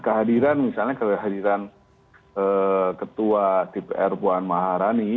kehadiran misalnya kehadiran ketua dpr puan maharani